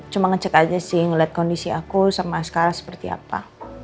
cuma ngecek aja sih ngeliat kondisi aku sama sekarang seperti apa